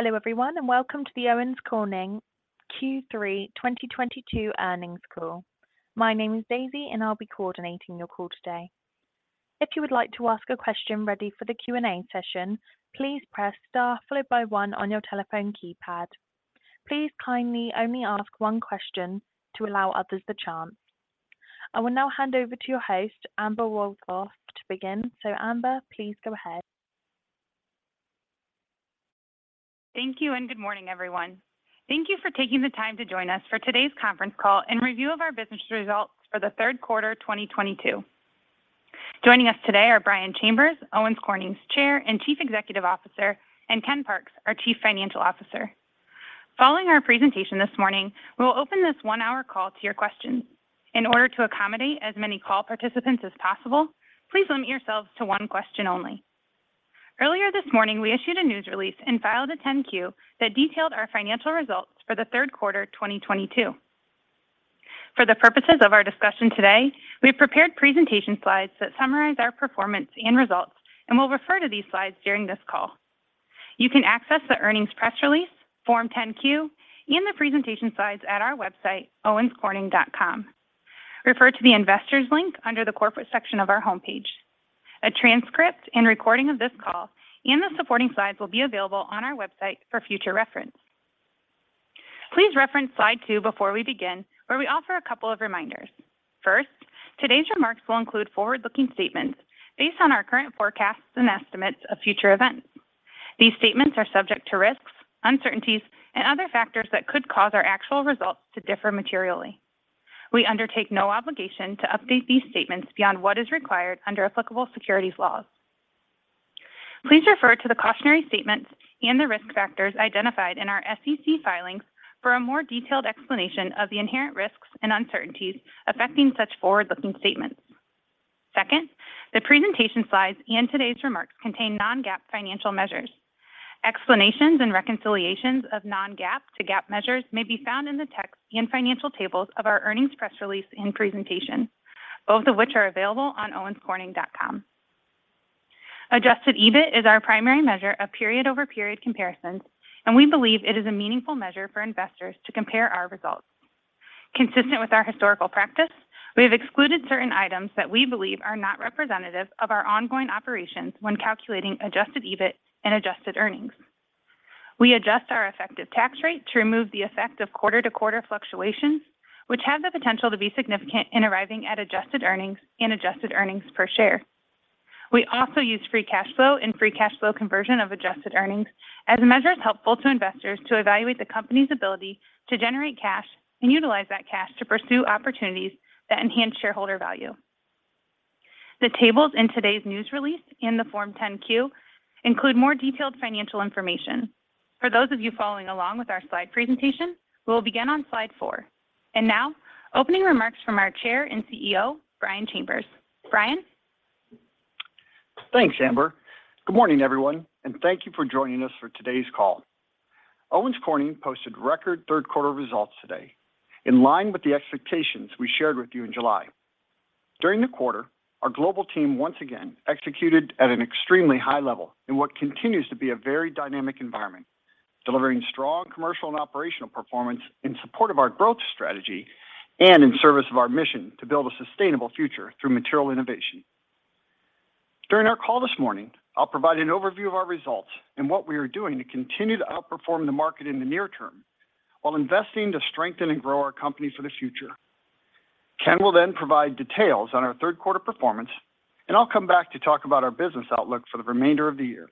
Hello, everyone, and welcome to the Owens Corning Q3 2022 Earnings Call. My name is Daisy, and I'll be coordinating your call today. If you would like to ask a question ready for the Q and A session, please press Star followed by one on your telephone keypad. Please kindly only ask one question to allow others the chance. I will now hand over to your host, Amber Wohlfarth, to begin. Amber, please go ahead. Thank you and good morning, everyone. Thank you for taking the time to join us for today's conference call and review of our business results for the third quarter, 2022. Joining us today are Brian Chambers, Owens Corning's Chair and Chief Executive Officer, and Ken Parks, our Chief Financial Officer. Following our presentation this morning, we will open this 1-hour call to your questions. In order to accommodate as many call participants as possible, please limit yourselves to one question only. Earlier this morning, we issued a news release and filed a 10-Q that detailed our financial results for the third quarter, 2022. For the purposes of our discussion today, we have prepared presentation slides that summarize our performance and results, and we'll refer to these slides during this call. You can access the earnings press release, Form 10-Q, and the presentation slides at our website, owenscorning.com. Refer to the Investors link under the Corporate section of our homepage. A transcript and recording of this call and the supporting slides will be available on our website for future reference. Please reference slide two before we begin, where we offer a couple of reminders. First, today's remarks will include forward-looking statements based on our current forecasts and estimates of future events. These statements are subject to risks, uncertainties, and other factors that could cause our actual results to differ materially. We undertake no obligation to update these statements beyond what is required under applicable securities laws. Please refer to the cautionary statements and the risk factors identified in our SEC filings for a more detailed explanation of the inherent risks and uncertainties affecting such forward-looking statements. Second, the presentation slides and today's remarks contain non-GAAP financial measures. Explanations and reconciliations of non-GAAP to GAAP measures may be found in the text and financial tables of our earnings press release and presentation, both of which are available on owenscorning.com. Adjusted EBIT is our primary measure of period-over-period comparisons, and we believe it is a meaningful measure for investors to compare our results. Consistent with our historical practice, we have excluded certain items that we believe are not representative of our ongoing operations when calculating adjusted EBIT and adjusted earnings. We adjust our effective tax rate to remove the effect of quarter-to-quarter fluctuations, which have the potential to be significant in arriving at adjusted earnings and adjusted earnings per share. We also use free cash flow and free cash flow conversion of adjusted earnings as measures helpful to investors to evaluate the company's ability to generate cash and utilize that cash to pursue opportunities that enhance shareholder value. The tables in today's news release in the Form 10-Q include more detailed financial information. For those of you following along with our slide presentation, we will begin on slide four. Now, opening remarks from our Chair and CEO, Brian Chambers. Brian. Thanks, Amber. Good morning, everyone, and thank you for joining us for today's call. Owens Corning posted record third quarter results today in line with the expectations we shared with you in July. During the quarter, our global team once again executed at an extremely high level in what continues to be a very dynamic environment, delivering strong commercial and operational performance in support of our growth strategy and in service of our mission to build a sustainable future through material innovation. During our call this morning, I'll provide an overview of our results and what we are doing to continue to outperform the market in the near term while investing to strengthen and grow our company for the future. Ken will then provide details on our third quarter performance, and I'll come back to talk about our business outlook for the remainder of the year.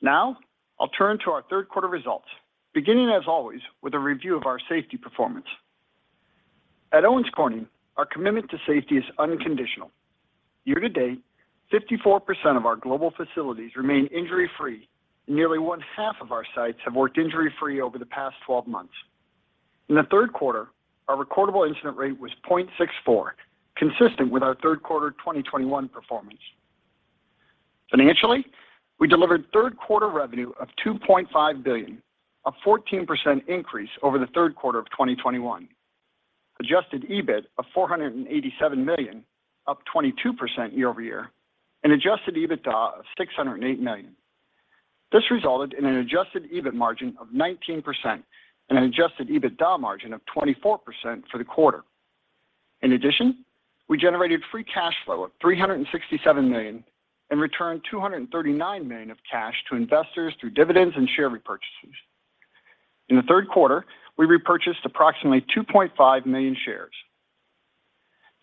Now, I'll turn to our third quarter results, beginning as always with a review of our safety performance. At Owens Corning, our commitment to safety is unconditional. Year to date, 54% of our global facilities remain injury-free, and nearly one-half of our sites have worked injury-free over the past twelve months. In the third quarter, our recordable incident rate was 0.64, consistent with our third quarter 2021 performance. Financially, we delivered third quarter revenue of $2.5 billion, a 14% increase over the third quarter of 2021. Adjusted EBIT of $487 million, up 22% year-over-year, and adjusted EBITDA of $608 million. This resulted in an adjusted EBIT margin of 19% and an adjusted EBITDA margin of 24% for the quarter. In addition, we generated free cash flow of $367 million and returned $239 million of cash to investors through dividends and share repurchases. In the third quarter, we repurchased approximately 2.5 million shares.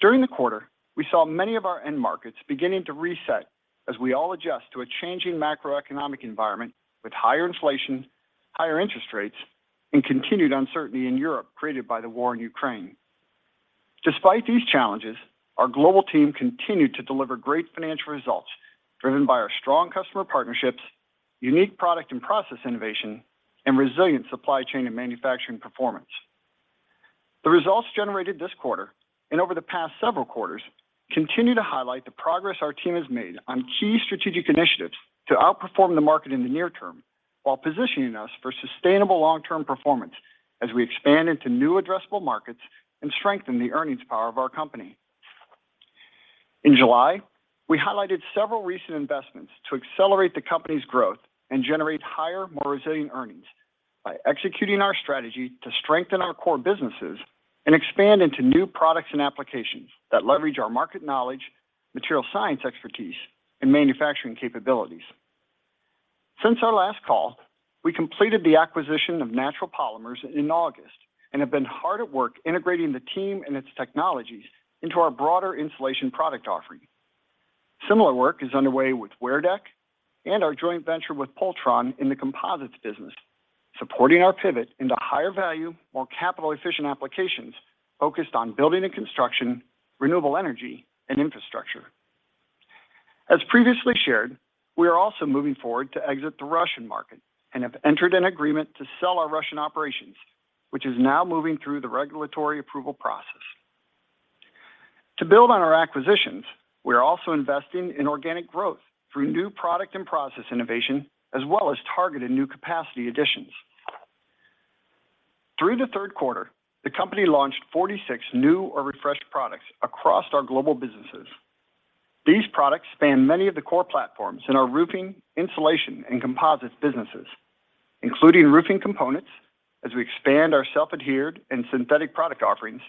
During the quarter, we saw many of our end markets beginning to reset as we all adjust to a changing macroeconomic environment with higher inflation, higher interest rates, and continued uncertainty in Europe created by the war in Ukraine. Despite these challenges, our global team continued to deliver great financial results driven by our strong customer partnerships, unique product and process innovation, and resilient supply chain and manufacturing performance. The results generated this quarter and over the past several quarters continue to highlight the progress our team has made on key strategic initiatives to outperform the market in the near term while positioning us for sustainable long-term performance as we expand into new addressable markets and strengthen the earnings power of our company. In July, we highlighted several recent investments to accelerate the company's growth and generate higher, more resilient earnings by executing our strategy to strengthen our core businesses and expand into new products and applications that leverage our market knowledge, material science expertise, and manufacturing capabilities. Since our last call, we completed the acquisition of Natural Polymers in August and have been hard at work integrating the team and its technologies into our broader insulation product offering. Similar work is underway with WearDeck and our joint venture with Pultron in the composites business, supporting our pivot into higher value, more capital-efficient applications focused on building and construction, renewable energy, and infrastructure. As previously shared, we are also moving forward to exit the Russian market and have entered an agreement to sell our Russian operations, which is now moving through the regulatory approval process. To build on our acquisitions, we are also investing in organic growth through new product and process innovation, as well as targeted new capacity additions. Through the third quarter, the company launched 46 new or refreshed products across our global businesses. These products span many of the core platforms in our roofing, insulation, and composites businesses, including roofing components as we expand our self-adhered and synthetic product offerings,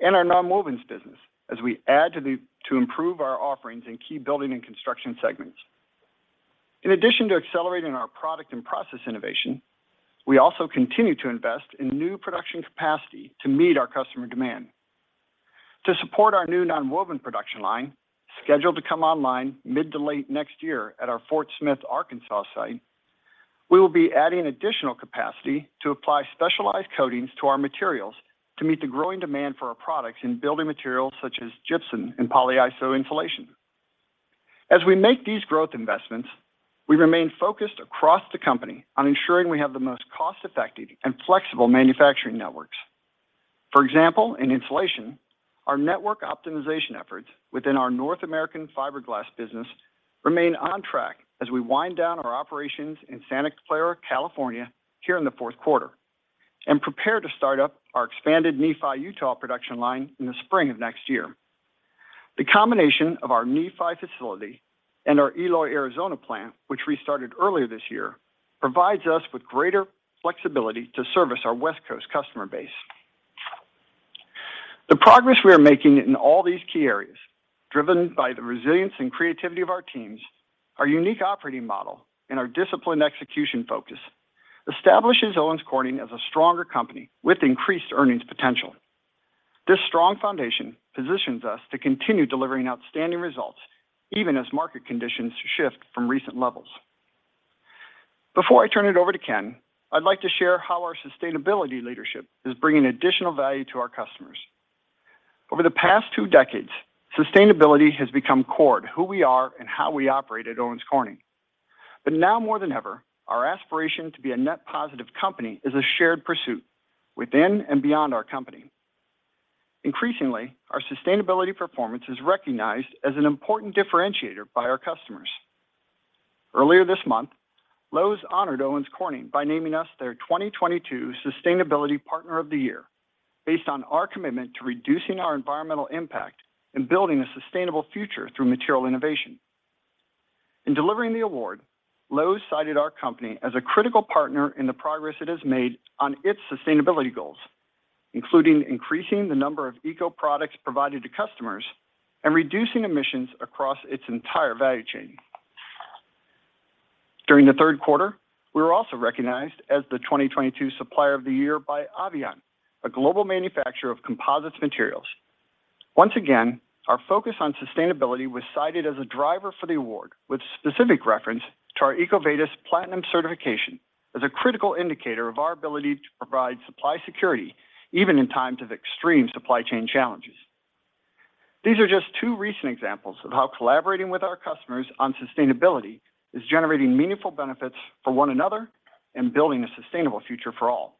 and our nonwovens business as we add to improve our offerings in key building and construction segments. In addition to accelerating our product and process innovation, we also continue to invest in new production capacity to meet our customer demand. To support our new nonwoven production line, scheduled to come online mid to late next year at our Fort Smith, Arkansas site, we will be adding additional capacity to apply specialized coatings to our materials to meet the growing demand for our products in building materials such as gypsum and polyiso insulation. As we make these growth investments, we remain focused across the company on ensuring we have the most cost-effective and flexible manufacturing networks. For example, in insulation, our network optimization efforts within our North American fiberglass business remain on track as we wind down our operations in Santa Clara, California, here in the fourth quarter and prepare to start up our expanded Nephi, Utah production line in the spring of next year. The combination of our Nephi facility and our Eloy, Arizona plant, which we started earlier this year, provides us with greater flexibility to service our West Coast customer base. The progress we are making in all these key areas, driven by the resilience and creativity of our teams, our unique operating model, and our disciplined execution focus, establishes Owens Corning as a stronger company with increased earnings potential. This strong foundation positions us to continue delivering outstanding results even as market conditions shift from recent levels. Before I turn it over to Ken, I'd like to share how our sustainability leadership is bringing additional value to our customers. Over the past two decades, sustainability has become core to who we are and how we operate at Owens Corning. Now more than ever, our aspiration to be a net positive company is a shared pursuit within and beyond our company. Increasingly, our sustainability performance is recognized as an important differentiator by our customers. Earlier this month, Lowe's honored Owens Corning by naming us their 2022 Sustainability Partner of the Year based on our commitment to reducing our environmental impact and building a sustainable future through material innovation. In delivering the award, Lowe's cited our company as a critical partner in the progress it has made on its sustainability goals, including increasing the number of eco products provided to customers and reducing emissions across its entire value chain. During the third quarter, we were also recognized as the 2022 Supplier of the Year by Avient, a global manufacturer of composites materials. Once again, our focus on sustainability was cited as a driver for the award with specific reference to our EcoVadis Platinum certification as a critical indicator of our ability to provide supply security even in times of extreme supply chain challenges. These are just two recent examples of how collaborating with our customers on sustainability is generating meaningful benefits for one another and building a sustainable future for all.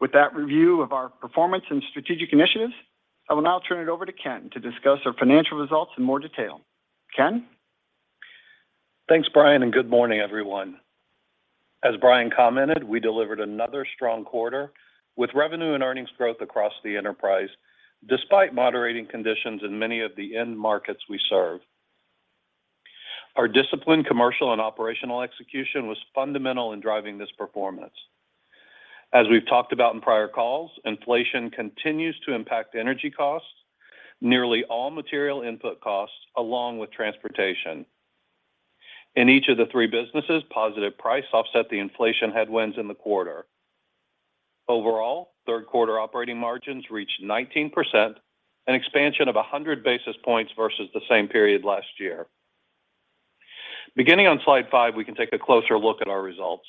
With that review of our performance and strategic initiatives, I will now turn it over to Ken to discuss our financial results in more detail. Ken? Thanks, Brian, and good morning, everyone. As Brian commented, we delivered another strong quarter with revenue and earnings growth across the enterprise, despite moderating conditions in many of the end markets we serve. Our disciplined commercial and operational execution was fundamental in driving this performance. As we've talked about in prior calls, inflation continues to impact energy costs, nearly all material input costs, along with transportation. In each of the three businesses, positive price offset the inflation headwinds in the quarter. Overall, third quarter operating margins reached 19%, an expansion of 100 basis points versus the same period last year. Beginning on slide five, we can take a closer look at our results.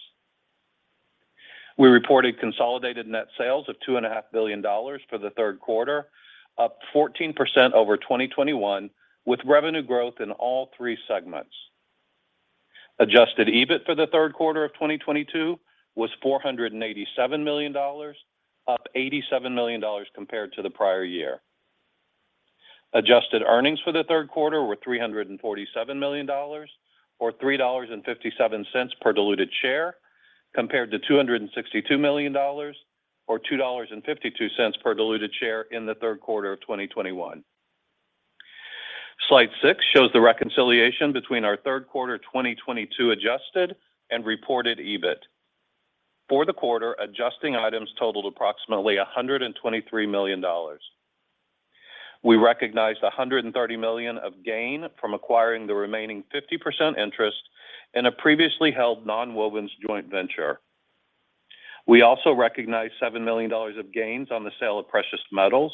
We reported consolidated net sales of $2.5 billion for the third quarter, up 14% over 2021, with revenue growth in all three segments. Adjusted EBIT for the third quarter of 2022 was $487 million, up $87 million compared to the prior year. Adjusted earnings for the third quarter were $347 million or $3.57 per diluted share. Compared to $262 million or $2.52 per diluted share in the third quarter of 2021. Slide six shows the reconciliation between our third quarter 2022 adjusted and reported EBIT. For the quarter, adjusting items totaled approximately $123 million. We recognized $130 million of gain from acquiring the remaining 50% interest in a previously held nonwovens joint venture. We also recognized $7 million of gains on the sale of precious metals.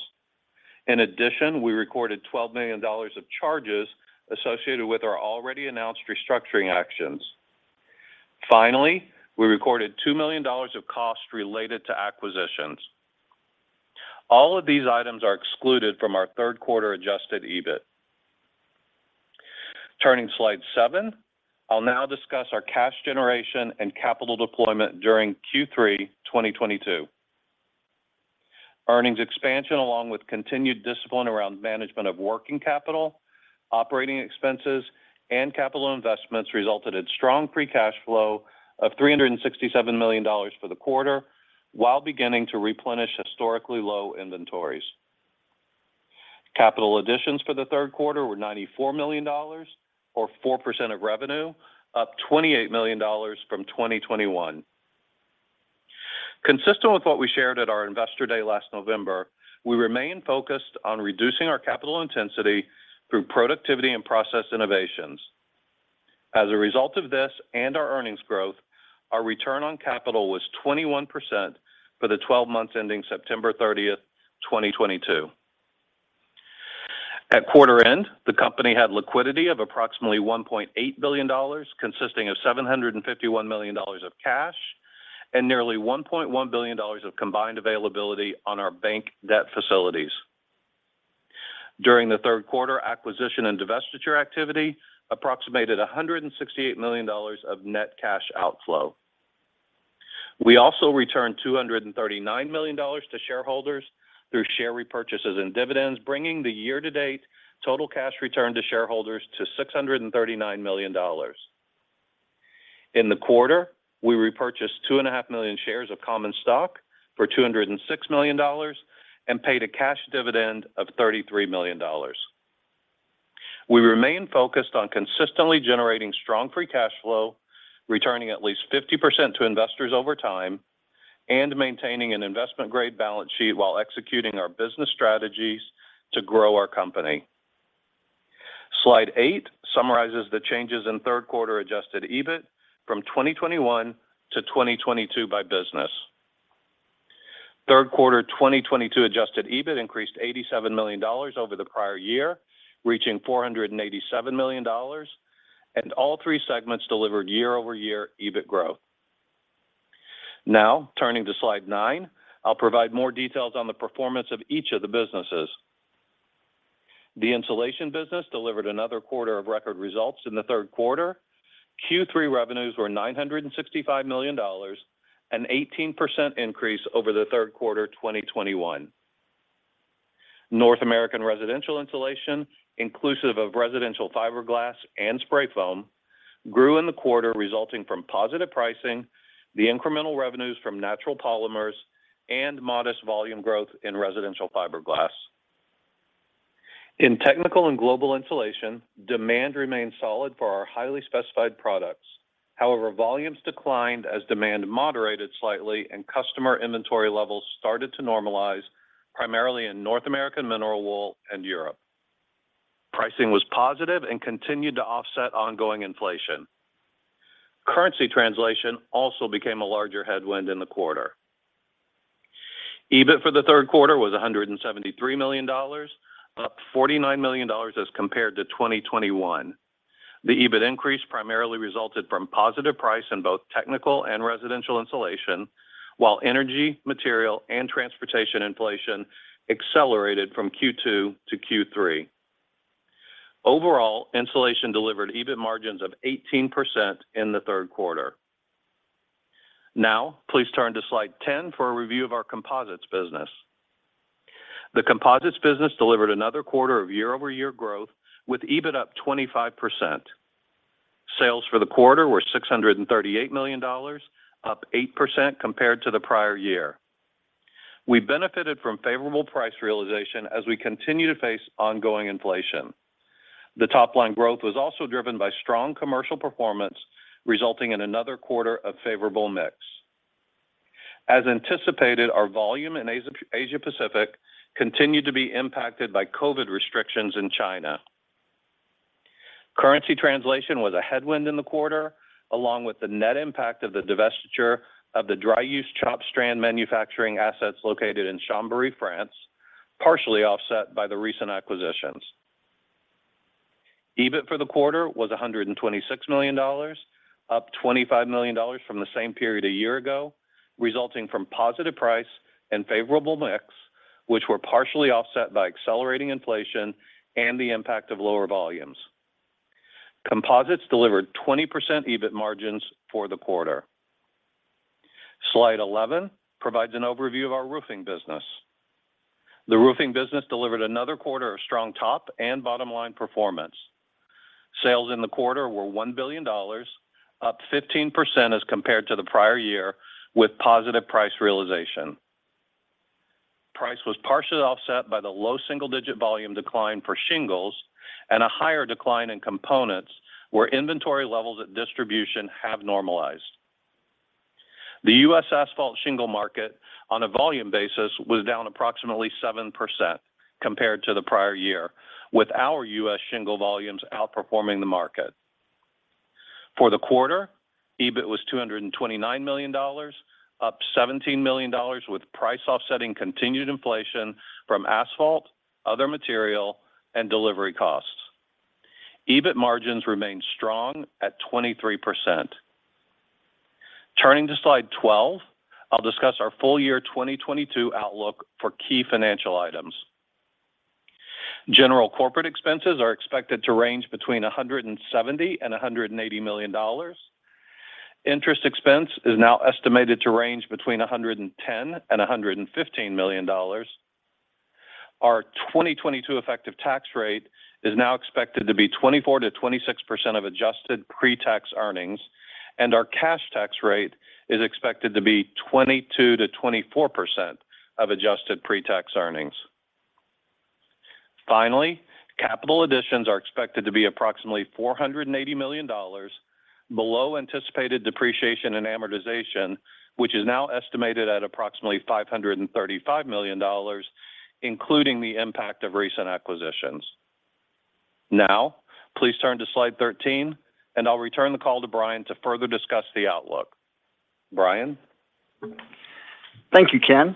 In addition, we recorded $12 million of charges associated with our already announced restructuring actions. Finally, we recorded $2 million of cost related to acquisitions. All of these items are excluded from our third quarter Adjusted EBIT. Turning to slide seven, I'll now discuss our cash generation and capital deployment during Q3 2022. Earnings expansion, along with continued discipline around management of working capital, operating expenses, and capital investments, resulted in strong free cash flow of $367 million for the quarter, while beginning to replenish historically low inventories. Capital additions for the third quarter were $94 million, or 4% of revenue, up $28 million from 2021. Consistent with what we shared at our Investor Day last November, we remain focused on reducing our capital intensity through productivity and process innovations. As a result of this and our earnings growth, our return on capital was 21% for the twelve months ending 30 September 2022. At quarter end, the company had liquidity of approximately $1.8 billion, consisting of $751 million of cash and nearly $1.1 billion of combined availability on our bank debt facilities. During the third quarter, acquisition and divestiture activity approximated $168 million of net cash outflow. We also returned $239 million to shareholders through share repurchases and dividends, bringing the year-to-date total cash return to shareholders to $639 million. In the quarter, we repurchased 2.5 million shares of common stock for $206 million and paid a cash dividend of $33 million. We remain focused on consistently generating strong free cash flow, returning at least 50% to investors over time, and maintaining an investment-grade balance sheet while executing our business strategies to grow our company. Slide eight summarizes the changes in third quarter adjusted EBIT from 2021 to 2022 by business. Third quarter 2022 adjusted EBIT increased $87 million over the prior year, reaching $487 million, and all three segments delivered year-over-year EBIT growth. Now turning to slide nine, I'll provide more details on the performance of each of the businesses. The insulation business delivered another quarter of record results in the third quarter. Q3 revenues were $965 million, an 18% increase over the third quarter 2021. North American residential insulation, inclusive of residential fiberglass and spray foam, grew in the quarter, resulting from positive pricing, the incremental revenues from natural polymers, and modest volume growth in residential fiberglass. In technical and global insulation, demand remained solid for our highly specified products. However, volumes declined as demand moderated slightly and customer inventory levels started to normalize, primarily in North American mineral wool and Europe. Pricing was positive and continued to offset ongoing inflation. Currency translation also became a larger headwind in the quarter. EBIT for the third quarter was $173 million, up $49 million as compared to 2021. The EBIT increase primarily resulted from positive pricing in both technical and residential insulation, while energy, material, and transportation inflation accelerated from Q2 to Q3. Overall, insulation delivered EBIT margins of 18% in the third quarter. Now please turn to slide 10 for a review of our composites business. The composites business delivered another quarter of year-over-year growth, with EBIT up 25%. Sales for the quarter were $638 million, up 8% compared to the prior year. We benefited from favorable price realization as we continue to face ongoing inflation. The top-line growth was also driven by strong commercial performance, resulting in another quarter of favorable mix. As anticipated, our volume in Asia Pacific continued to be impacted by COVID restrictions in China. Currency translation was a headwind in the quarter, along with the net impact of the divestiture of the dry-use chopped strand manufacturing assets located in Chambéry, France, partially offset by the recent acquisitions. EBIT for the quarter was $126 million, up $25 million from the same period a year ago, resulting from positive price and favorable mix, which were partially offset by accelerating inflation and the impact of lower volumes. Composites delivered 20% EBIT margins for the quarter. Slide 11 provides an overview of our roofing business. The roofing business delivered another quarter of strong top and bottom-line performance. Sales in the quarter were $1 billion, up 15% as compared to the prior year with positive price realization. Price was partially offset by the low single-digit volume decline for shingles and a higher decline in components where inventory levels at distribution have normalized. The U.S. asphalt shingle market on a volume basis was down approximately 7% compared to the prior year, with our U.S. shingle volumes outperforming the market. For the quarter, EBIT was $229 million, up $17 million with price offsetting continued inflation from asphalt, other material and delivery costs. EBIT margins remained strong at 23%. Turning to slide 12, I'll discuss our full year 2022 outlook for key financial items. General corporate expenses are expected to range between $170 million and $180 million. Interest expense is now estimated to range between $110 million and $115 million. Our 2022 effective tax rate is now expected to be 24%-26% of adjusted pre-tax earnings, and our cash tax rate is expected to be 22%-24% of adjusted pre-tax earnings. Finally, capital additions are expected to be approximately $480 million below anticipated depreciation and amortization, which is now estimated at approximately $535 million, including the impact of recent acquisitions. Now, please turn to slide 13, and I'll return the call to Brian to further discuss the outlook. Brian? Thank you, Ken.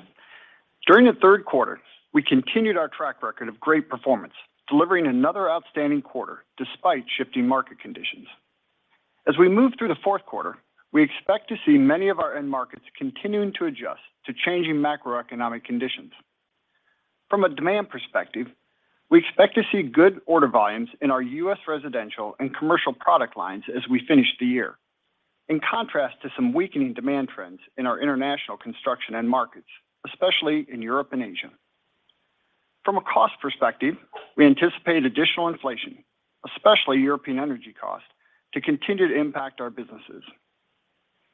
During the third quarter, we continued our track record of great performance, delivering another outstanding quarter despite shifting market conditions. As we move through the fourth quarter, we expect to see many of our end markets continuing to adjust to changing macroeconomic conditions. From a demand perspective, we expect to see good order volumes in our U.S. residential and commercial product lines as we finish the year. In contrast to some weakening demand trends in our international construction end markets, especially in Europe and Asia. From a cost perspective, we anticipate additional inflation, especially European energy costs, to continue to impact our businesses.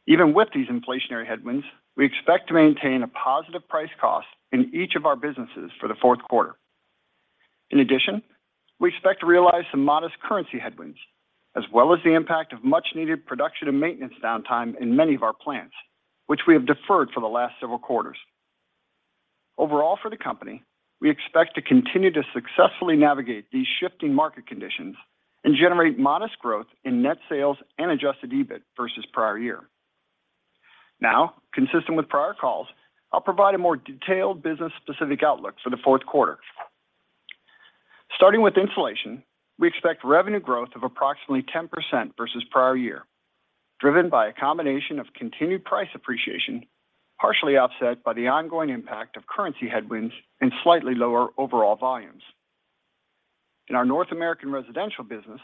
Even with these inflationary headwinds, we expect to maintain a positive price cost in each of our businesses for the fourth quarter. In addition, we expect to realize some modest currency headwinds, as well as the impact of much-needed production and maintenance downtime in many of our plants, which we have deferred for the last several quarters. Overall, for the company, we expect to continue to successfully navigate these shifting market conditions and generate modest growth in net sales and Adjusted EBIT versus prior year. Now, consistent with prior calls, I'll provide a more detailed business specific outlook for the fourth quarter. Starting with insulation, we expect revenue growth of approximately 10% versus prior year, driven by a combination of continued price appreciation, partially offset by the ongoing impact of currency headwinds and slightly lower overall volumes. In our North American residential business,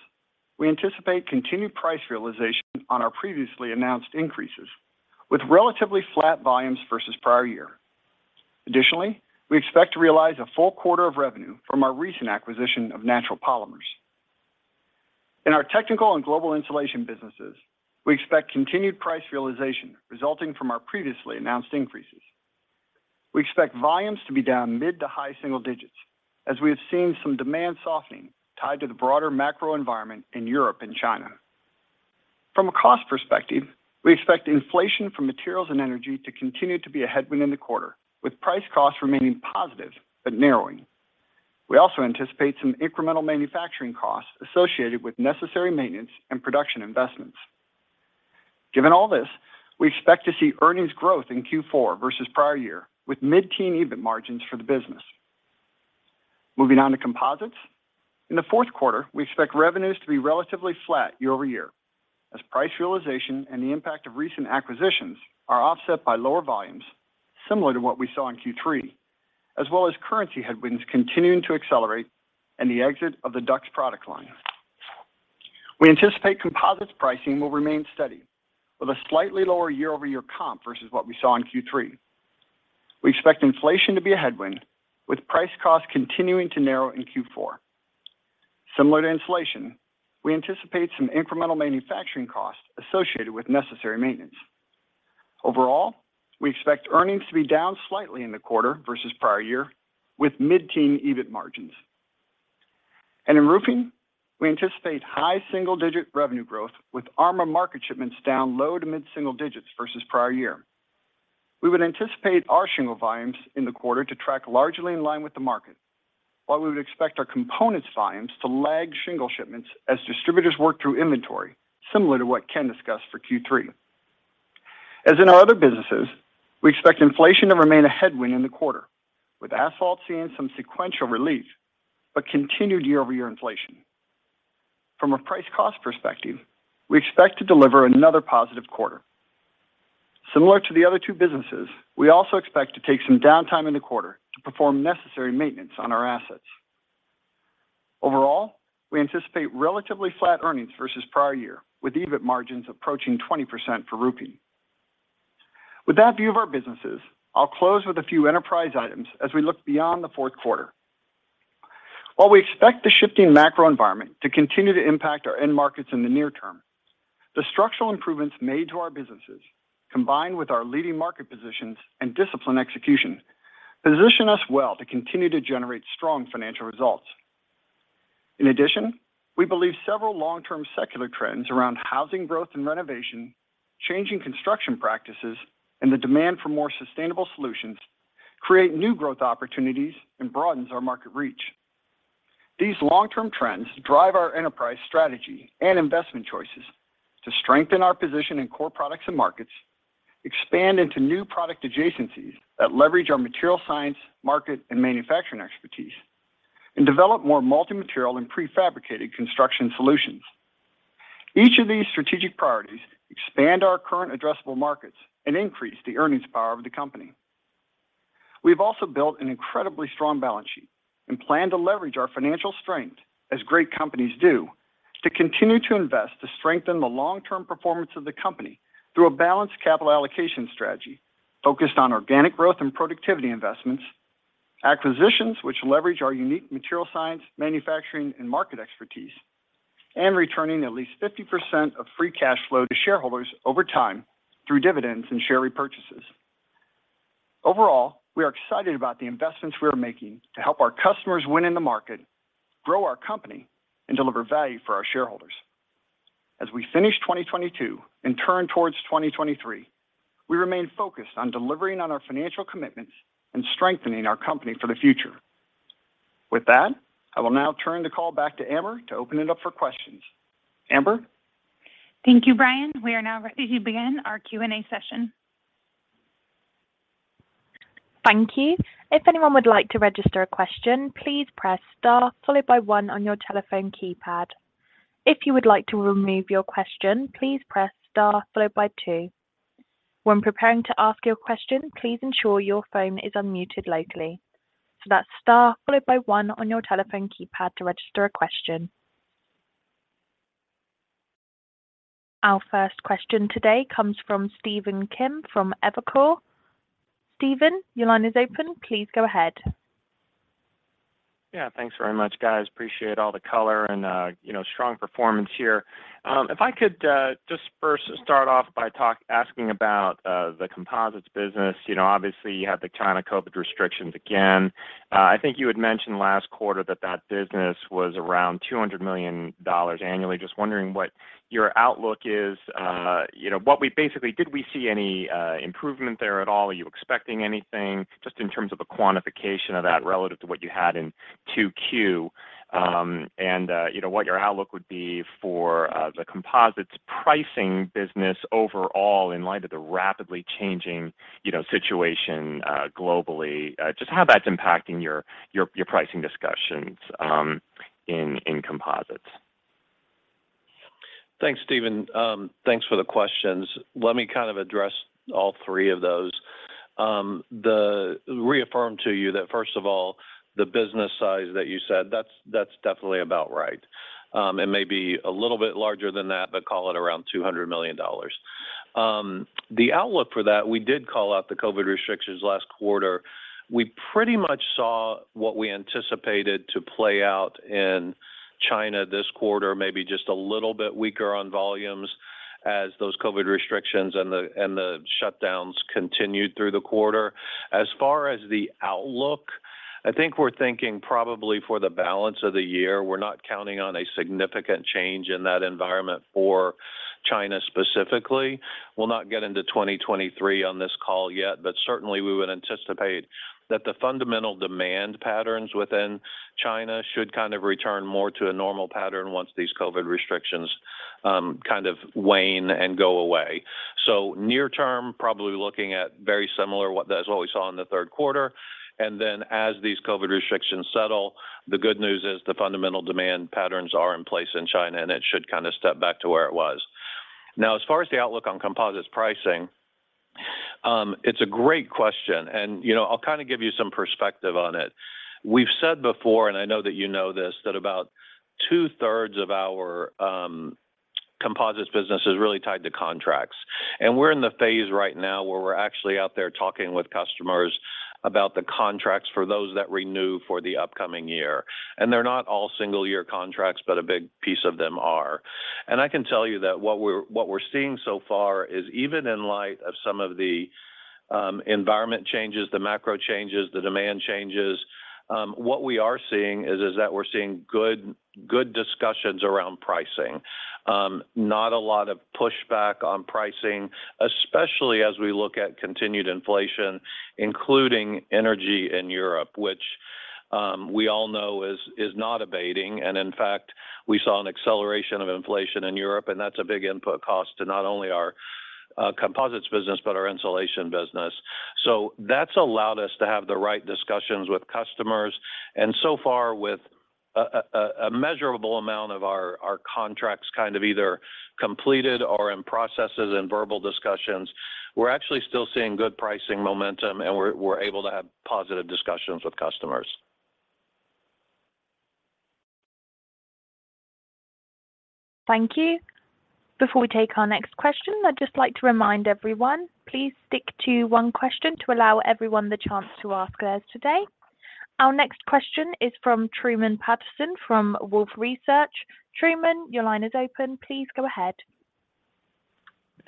we anticipate continued price realization on our previously announced increases, with relatively flat volumes versus prior year. Additionally, we expect to realize a full quarter of revenue from our recent acquisition of Natural Polymers. In our technical and global insulation businesses, we expect continued price realization resulting from our previously announced increases. We expect volumes to be down mid- to high-single digits as we have seen some demand softening tied to the broader macro environment in Europe and China. From a cost perspective, we expect inflation from materials and energy to continue to be a headwind in the quarter, with price costs remaining positive but narrowing. We also anticipate some incremental manufacturing costs associated with necessary maintenance and production investments. Given all this, we expect to see earnings growth in Q4 versus prior year, with mid-teen EBIT margins for the business. Moving on to composites. In the fourth quarter, we expect revenues to be relatively flat year-over-year, as price realization and the impact of recent acquisitions are offset by lower volumes similar to what we saw in Q3, as well as currency headwinds continuing to accelerate and the exit of the DUCS product line. We anticipate composites pricing will remain steady with a slightly lower year-over-year comp versus what we saw in Q3. We expect inflation to be a headwind, with price cost continuing to narrow in Q4. Similar to insulation, we anticipate some incremental manufacturing costs associated with necessary maintenance. Overall, we expect earnings to be down slightly in the quarter versus prior year with mid-teen EBIT margins. In roofing, we anticipate high single-digit revenue growth with ARMA market shipments down low to mid-single digits versus prior year. We would anticipate our shingle volumes in the quarter to track largely in line with the market. While we would expect our components volumes to lag shingle shipments as distributors work through inventory, similar to what Ken discussed for Q3. As in our other businesses, we expect inflation to remain a headwind in the quarter, with asphalt seeing some sequential relief but continued year-over-year inflation. From a price cost perspective, we expect to deliver another positive quarter. Similar to the other two businesses, we also expect to take some downtime in the quarter to perform necessary maintenance on our assets. Overall, we anticipate relatively flat earnings versus prior year, with EBIT margins approaching 20% for roofing. With that view of our businesses, I'll close with a few enterprise items as we look beyond the fourth quarter. While we expect the shifting macro environment to continue to impact our end markets in the near term, the structural improvements made to our businesses, combined with our leading market positions and disciplined execution, position us well to continue to generate strong financial results. In addition, we believe several long-term secular trends around housing growth and renovation, changing construction practices, and the demand for more sustainable solutions create new growth opportunities and broadens our market reach. These long-term trends drive our enterprise strategy and investment choices to strengthen our position in core products and markets, expand into new product adjacencies that leverage our material science, market, and manufacturing expertise, and develop more multi-material and prefabricated construction solutions. Each of these strategic priorities expand our current addressable markets and increase the earnings power of the company. We've also built an incredibly strong balance sheet and plan to leverage our financial strength, as great companies do, to continue to invest to strengthen the long-term performance of the company through a balanced capital allocation strategy focused on organic growth and productivity investments, acquisitions which leverage our unique material science, manufacturing, and market expertise, and returning at least 50% of free cash flow to shareholders over time through dividends and share repurchases. Overall, we are excited about the investments we are making to help our customers win in the market, grow our company, and deliver value for our shareholders. As we finish 2022 and turn towards 2023, we remain focused on delivering on our financial commitments and strengthening our company for the future. With that, I will now turn the call back to Amber to open it up for questions. Amber? Thank you, Brian. We are now ready to begin our Q and A session. Thank you. If anyone would like to register a question, please press star followed by one on your telephone keypad. If you would like to remove your question, please press star followed by two. When preparing to ask your question, please ensure your phone is unmuted locally. That's star followed by one on your telephone keypad to register a question. Our first question today comes from Stephen Kim from Evercore. Stephen, your line is open. Please go ahead. Yeah. Thanks very much, guys. Appreciate all the color and, you know, strong performance here. If I could just first start off by asking about the composites business. You know, obviously, you have the China COVID restrictions again. I think you had mentioned last quarter that that business was around $200 million annually. Just wondering what your outlook is. You know, did we see any improvement there at all? Are you expecting anything just in terms of a quantification of that relative to what you had in 2Q? And you know, what your outlook would be for the composites pricing business overall in light of the rapidly changing, you know, situation globally, just how that's impacting your pricing discussions in composites. Thanks, Stephen. Thanks for the questions. Let me kind of address all three of those. Reaffirm to you that first of all, the business size that you said, that's definitely about right. It may be a little bit larger than that, but call it around $200 million. The outlook for that, we did call out the COVID restrictions last quarter. We pretty much saw what we anticipated to play out in China this quarter, maybe just a little bit weaker on volumes as those COVID restrictions and the shutdowns continued through the quarter. As far as the outlook, I think we're thinking probably for the balance of the year. We're not counting on a significant change in that environment for China specifically. We'll not get into 2023 on this call yet, but certainly we would anticipate that the fundamental demand patterns within China should kind of return more to a normal pattern once these COVID restrictions kind of wane and go away. Near term, probably looking at very similar to what we saw in the third quarter. As these COVID restrictions settle, the good news is the fundamental demand patterns are in place in China, and it should kind of step back to where it was. Now, as far as the outlook on Composites pricing, it's a great question, and, you know, I'll kind of give you some perspective on it. We've said before, and I know that you know this, that about two-thirds of our Composites business is really tied to contracts. We're in the phase right now where we're actually out there talking with customers about the contracts for those that renew for the upcoming year. They're not all single-year contracts, but a big piece of them are. I can tell you that what we're seeing so far is even in light of some of the environment changes, the macro changes, the demand changes, what we are seeing is that we're seeing good discussions around pricing. Not a lot of pushback on pricing, especially as we look at continued inflation, including energy in Europe, which we all know is not abating. In fact, we saw an acceleration of inflation in Europe, and that's a big input cost to not only our composites business, but our insulation business. That's allowed us to have the right discussions with customers. So far, with a measurable amount of our contracts kind of either completed or in processes and verbal discussions, we're actually still seeing good pricing momentum, and we're able to have positive discussions with customers. Thank you. Before we take our next question, I'd just like to remind everyone, please stick to one question to allow everyone the chance to ask theirs today. Our next question is from Truman Patterson from Wolfe Research. Truman, your line is open. Please go ahead.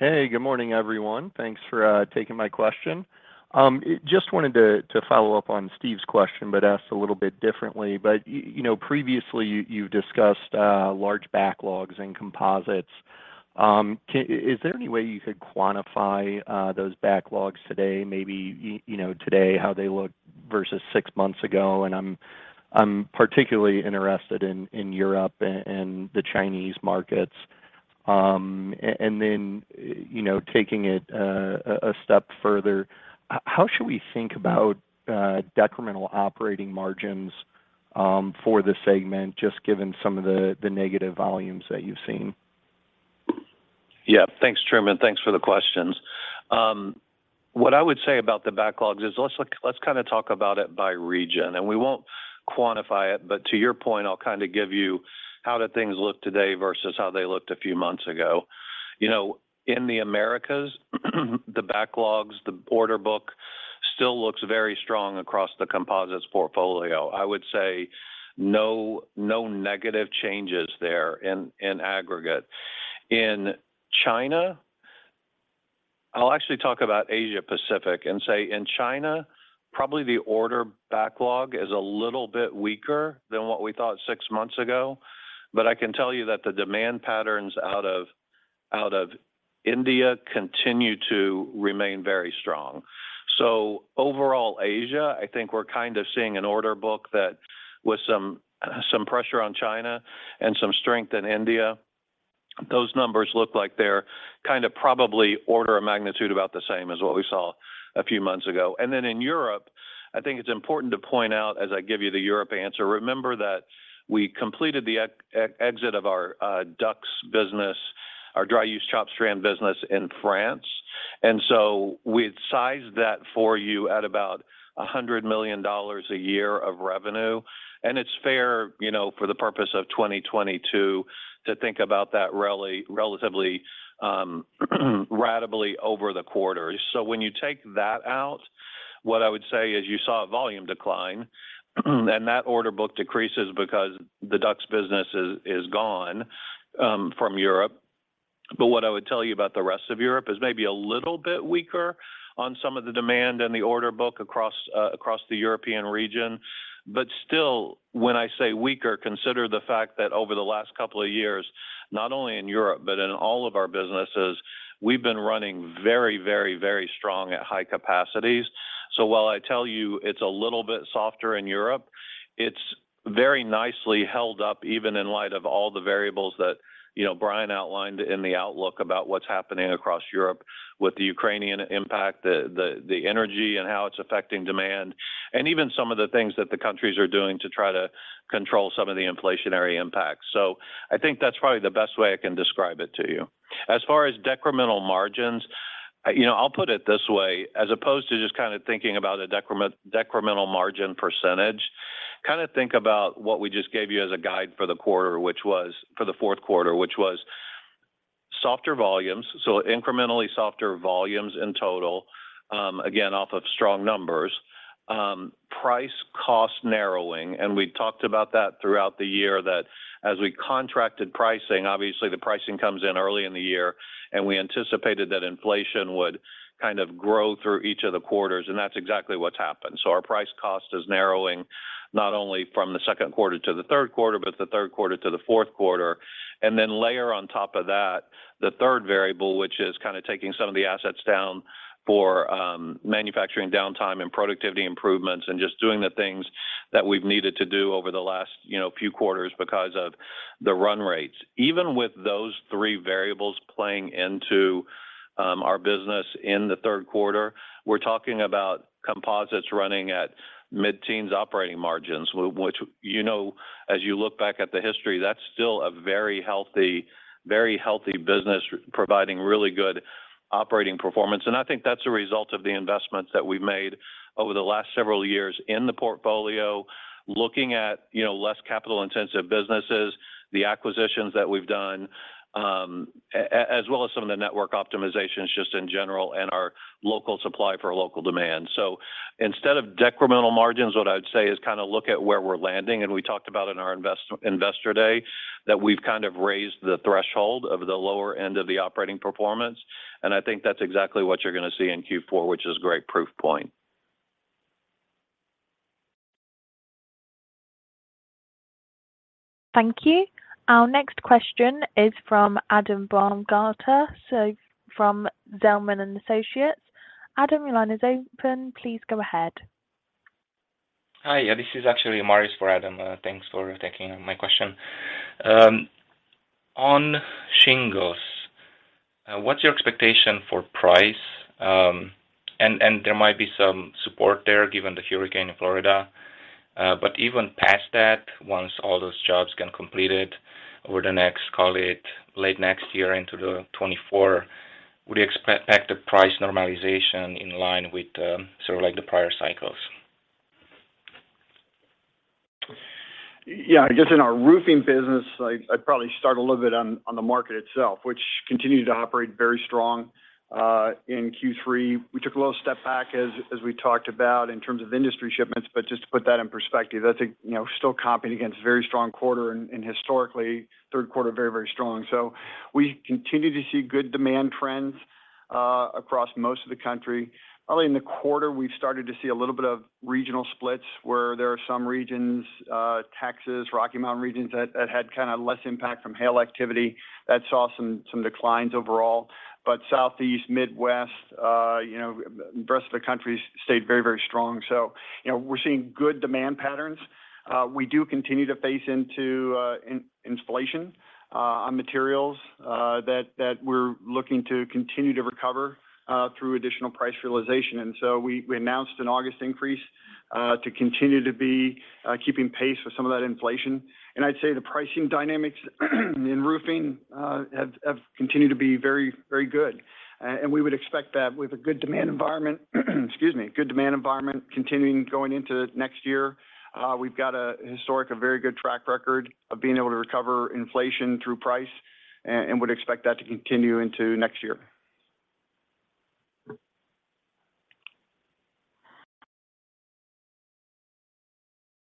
Hey, good morning, everyone. Thanks for taking my question. Just wanted to follow up on Steve's question, but ask a little bit differently. You know, previously you discussed large backlogs in composites. Is there any way you could quantify those backlogs today, maybe you know, today, how they look versus six months ago? I'm particularly interested in Europe and the Chinese markets. Then, you know, taking it a step further, how should we think about decremental operating margins for the segment, just given some of the negative volumes that you've seen? Yeah. Thanks, Truman. Thanks for the questions. What I would say about the backlogs is let's kind of talk about it by region, and we won't quantify it, but to your point, I'll kind of give you how things look today versus how they looked a few months ago. You know, in the Americas, the backlogs, the order book still looks very strong across the composites portfolio. I would say no negative changes there in aggregate. In China, I'll actually talk about Asia-Pacific and say in China, probably the order backlog is a little bit weaker than what we thought six months ago. But I can tell you that the demand patterns out of India continue to remain very strong. Overall, Asia, I think we're kind of seeing an order book that with some pressure on China and some strength in India, those numbers look like they're kind of probably order of magnitude about the same as what we saw a few months ago. In Europe, I think it's important to point out as I give you the Europe answer, remember that we completed the exit of our DUCS business, our dry-use chopped strand business in France. We'd sized that for you at about $100 million a year of revenue. It's fair, you know, for the purpose of 2022 to think about that relatively ratably over the quarters. When you take that out, what I would say is you saw a volume decline, and that order book decreases because the DUCS business is gone from Europe. What I would tell you about the rest of Europe is maybe a little bit weaker on some of the demand and the order book across the European region. Still, when I say weaker, consider the fact that over the last couple of years, not only in Europe but in all of our businesses, we've been running very strong at high capacities. While I tell you it's a little bit softer in Europe, it's very nicely held up even in light of all the variables that, you know, Brian outlined in the outlook about what's happening across Europe with the Ukrainian impact, the energy and how it's affecting demand, and even some of the things that the countries are doing to try to control some of the inflationary impacts. I think that's probably the best way I can describe it to you. As far as decremental margins, you know, I'll put it this way, as opposed to just kind of thinking about a decremental margin percentage, kind of think about what we just gave you as a guide for the quarter, which was for the fourth quarter, which was softer volumes, so incrementally softer volumes in total, again, off of strong numbers. Price cost narrowing. We talked about that throughout the year that as we contracted pricing, obviously the pricing comes in early in the year, and we anticipated that inflation would kind of grow through each of the quarters, and that's exactly what's happened. Our price cost is narrowing not only from the second quarter to the third quarter, but the third quarter to the fourth quarter. Then layer on top of that the third variable, which is kind of taking some of the assets down for manufacturing downtime and productivity improvements and just doing the things that we've needed to do over the last, you know, few quarters because of the run rates. Even with those three variables playing into our business in the third quarter, we're talking about composites running at mid-teens operating margins, which, you know, as you look back at the history, that's still a very healthy business providing really good operating performance. I think that's a result of the investments that we've made over the last several years in the portfolio, looking at, you know, less capital-intensive businesses, the acquisitions that we've done, as well as some of the network optimizations just in general and our local supply for local demand. Instead of decremental margins, what I would say is kind of look at where we're landing, and we talked about in our Investor Day that we've kind of raised the threshold of the lower end of the operating performance, and I think that's exactly what you're gonna see in Q4, which is a great proof point. Thank you. Our next question is from Adam Baumgarten, so from Zelman & Associates. Adam, your line is open. Please go ahead. Hi. This is actually Maurice for Adam. Thanks for taking my question. On shingles, what's your expectation for price? There might be some support there given the hurricane in Florida. Even past that, once all those jobs get completed over the next, call it late next year into 2024, would you expect the price normalization in line with, sort of like the prior cycles? Yeah, I guess in our roofing business, I'd probably start a little bit on the market itself, which continued to operate very strong in Q3. We took a little step back as we talked about in terms of industry shipments, but just to put that in perspective, you know, still competing against a very strong quarter and historically third quarter, very, very strong. We continue to see good demand trends across most of the country. Early in the quarter, we've started to see a little bit of regional splits, where there are some regions, Texas, Rocky Mountain regions that had kinda less impact from hail activity that saw some declines overall. But Southeast, Midwest, you know, the rest of the country stayed very, very strong. You know, we're seeing good demand patterns. We do continue to face facing inflation on materials that we're looking to continue to recover through additional price realization. We announced an August increase to continue to be keeping pace with some of that inflation. I'd say the pricing dynamics in roofing have continued to be very, very good. We would expect that with a good demand environment, excuse me, good demand environment continuing going into next year. We've got a historic, a very good track record of being able to recover inflation through price and would expect that to continue into next year.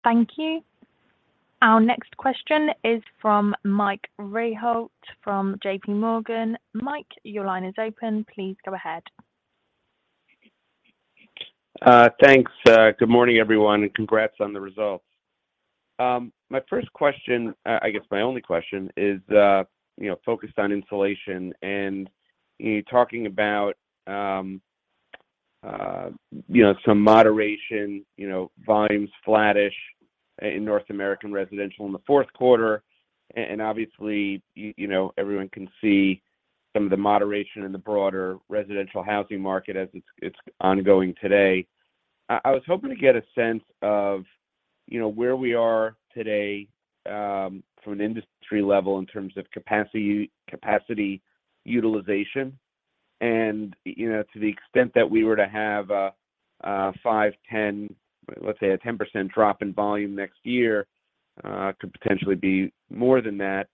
Thank you. Our next question is from Michael Rehaut from JPMorgan. Mike, your line is open. Please go ahead. Thanks. Good morning, everyone, and congrats on the results. My first question, I guess my only question is, you know, focused on insulation and, you know, talking about, you know, some moderation, you know, volumes flattish in North American residential in the fourth quarter. Obviously, you know, everyone can see some of the moderation in the broader residential housing market as it's ongoing today. I was hoping to get a sense of, you know, where we are today, from an industry level in terms of capacity utilization. You know, to the extent that we were to have a five, 10, let's say a 10% drop in volume next year, could potentially be more than that.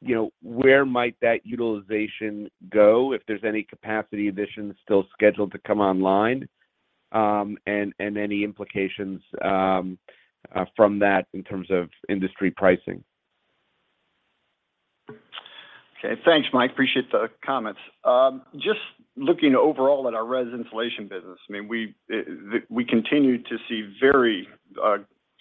You know, where might that utilization go if there's any capacity additions still scheduled to come online, and any implications from that in terms of industry pricing? Okay. Thanks, Mike. Appreciate the comments. Just looking overall at our res insulation business, I mean, we continue to see very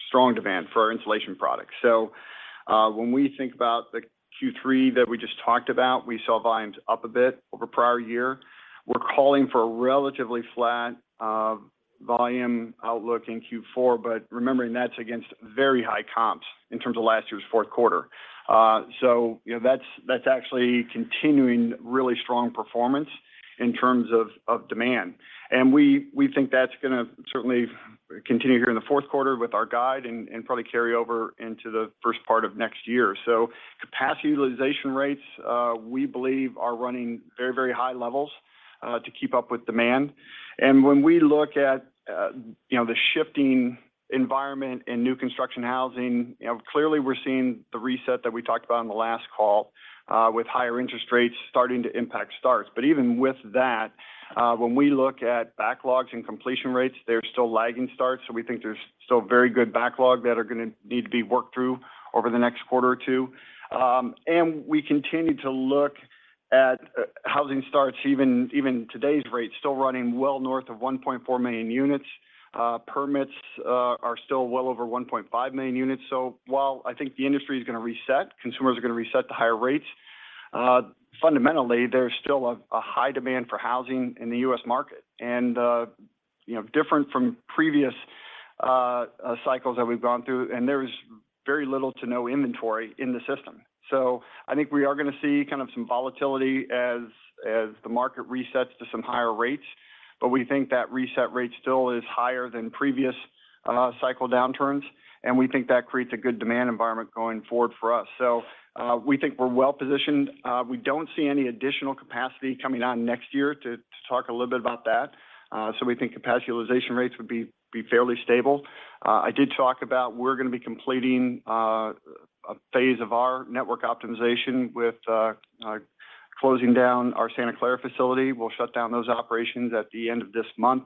strong demand for our insulation products. When we think about the Q3 that we just talked about, we saw volumes up a bit over prior year. We're calling for a relatively flat volume outlook in Q4, but remembering that's against very high comps in terms of last year's fourth quarter. You know, that's actually continuing really strong performance in terms of demand. We think that's gonna certainly continue here in the fourth quarter with our guide and probably carry over into the first part of next year. Capacity utilization rates, we believe are running very high levels to keep up with demand. When we look at, you know, the shifting environment in new construction housing, you know, clearly we're seeing the reset that we talked about on the last call, with higher interest rates starting to impact starts. Even with that, when we look at backlogs and completion rates, they're still lagging starts. We think there's still very good backlog that are gonna need to be worked through over the next quarter or two. We continue to look at housing starts, even today's rates still running well north of 1.4 million units. Permits are still well over 1.5 million units. While I think the industry is gonna reset, consumers are gonna reset to higher rates, fundamentally, there's still a high demand for housing in the U.S. market and, you know, different from previous cycles that we've gone through, and there's very little to no inventory in the system. I think we are gonna see kind of some volatility as the market resets to some higher rates. We think that reset rate still is higher than previous cycle downturns, and we think that creates a good demand environment going forward for us. We think we're well positioned. We don't see any additional capacity coming on next year to talk a little bit about that. We think capacity utilization rates would be fairly stable. I did talk about we're gonna be completing a phase of our network optimization with closing down our Santa Clara facility. We'll shut down those operations at the end of this month.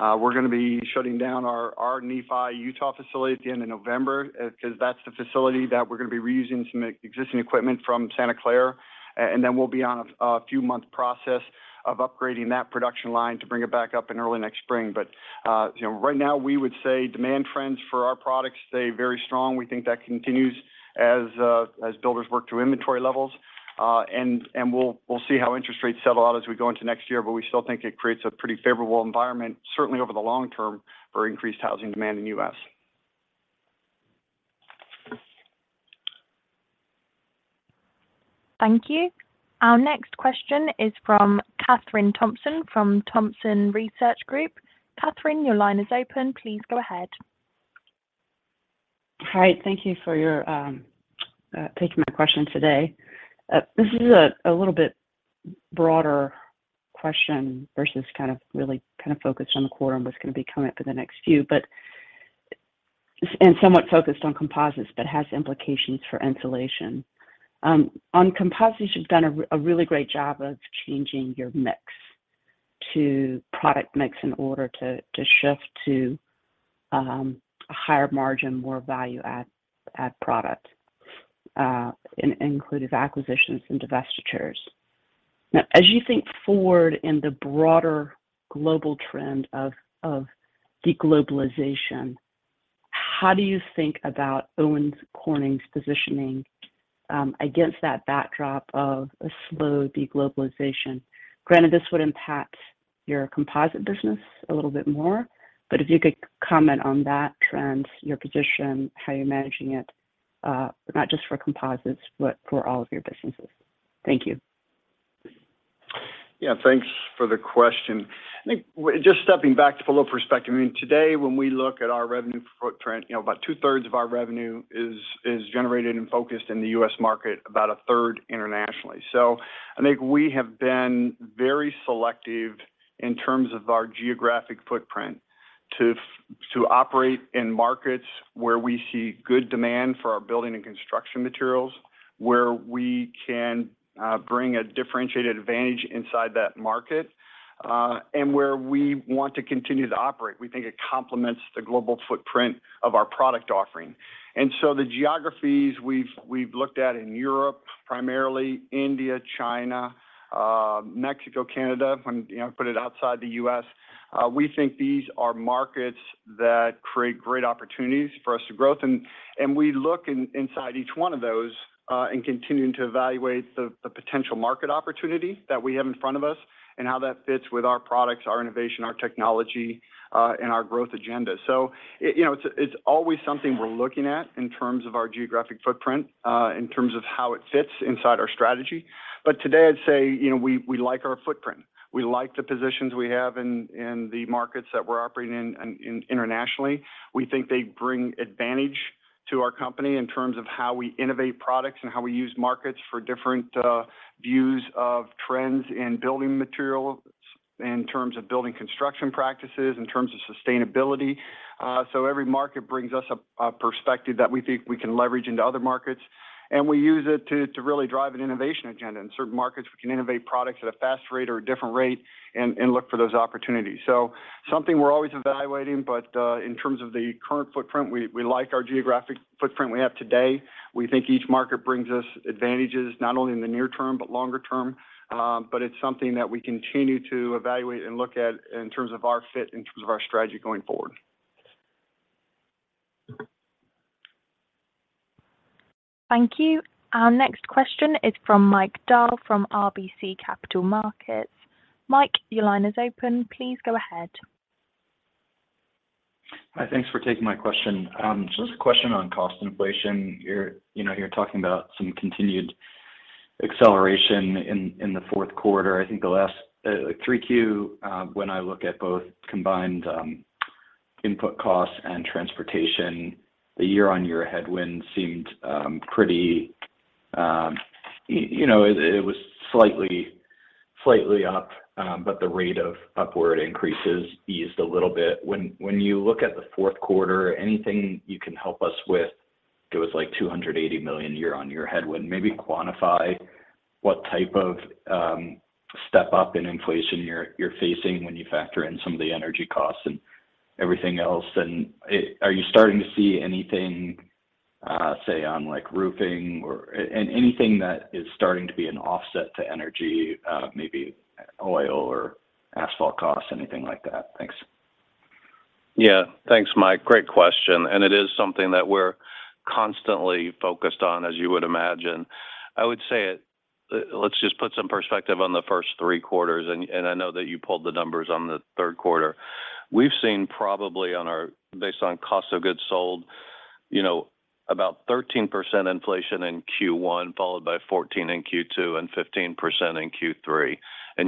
We're gonna be shutting down our Nephi, Utah facility at the end of November, 'cause that's the facility that we're gonna be reusing some existing equipment from Santa Clara. We'll be on a few-month process of upgrading that production line to bring it back up in early next spring. You know, right now, we would say demand trends for our products stay very strong. We think that continues as builders work through inventory levels. We'll see how interest rates settle out as we go into next year, but we still think it creates a pretty favorable environment, certainly over the long term, for increased housing demand in the U.S. Thank you. Our next question is from Kathryn Thompson from Thompson Research Group. Kathryn, your line is open. Please go ahead. Hi, thank you for your taking my question today. This is a little bit broader question versus kind of really kind of focused on the quarter and what's gonna be coming up for the next few, but and somewhat focused on composites, but has implications for insulation. On composites, you've done a really great job of changing your mix to product mix in order to shift to a higher margin, more value add product, including acquisitions and divestitures. Now, as you think forward in the broader global trend of de-globalization, how do you think about Owens Corning's positioning against that backdrop of a slow de-globalization? Granted, this would impact your composite business a little bit more, but if you could comment on that trend, your position, how you're managing it, not just for composites, but for all of your businesses? Thank you. Yeah. Thanks for the question. I think just stepping back for a little perspective, I mean, today, when we look at our revenue footprint, you know, about 2/3 of our revenue is generated and focused in the U.S. market, about 1/3 internationally. I think we have been very selective in terms of our geographic footprint to operate in markets where we see good demand for our building and construction materials, where we can bring a differentiated advantage inside that market, and where we want to continue to operate. We think it complements the global footprint of our product offering. The geographies we've looked at in Europe, primarily India, China, Mexico, Canada, when you know put it outside the U.S., we think these are markets that create great opportunities for us to grow. We look inside each one of those, in continuing to evaluate the potential market opportunity that we have in front of us and how that fits with our products, our innovation, our technology, and our growth agenda. It, you know, it's always something we're looking at in terms of our geographic footprint, in terms of how it fits inside our strategy. Today, I'd say, you know, we like our footprint. We like the positions we have in the markets that we're operating in internationally. We think they bring advantage to our company in terms of how we innovate products and how we use markets for different views of trends in building materials, in terms of building construction practices, in terms of sustainability. Every market brings us a perspective that we think we can leverage into other markets, and we use it to really drive an innovation agenda. In certain markets, we can innovate products at a fast rate or a different rate and look for those opportunities. Something we're always evaluating, in terms of the current footprint, we like our geographic footprint we have today. We think each market brings us advantages, not only in the near term, but longer term. It's something that we continue to evaluate and look at in terms of our fit in terms of our strategy going forward. Thank you. Our next question is from Mike Dahl from RBC Capital Markets. Mike, your line is open. Please go ahead. Hi. Thanks for taking my question. So this is a question on cost inflation. You're, you know, you're talking about some continued acceleration in the fourth quarter. I think the last 3Q when I look at both combined, input costs and transportation, the year-on-year headwind seemed pretty, you know, it was slightly up, but the rate of upward increases eased a little bit. When you look at the fourth quarter, anything you can help us with, it was like $280 million year-on-year headwind, maybe quantify what type of step up in inflation you're facing when you factor in some of the energy costs and everything else. Are you starting to see anything, say on like roofing or?.... Anything that is starting to be an offset to energy, maybe oil or asphalt costs, anything like that? Thanks. Yeah. Thanks, Mike. Great question. It is something that we're constantly focused on, as you would imagine. I would say let's just put some perspective on the first three quarters, and I know that you pulled the numbers on the third quarter. We've seen probably based on cost of goods sold, you know, about 13% inflation in Q1, followed by 14% in Q2, and 15% in Q3.